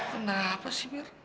kenapa sih mir